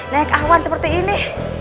naik awan seperti ini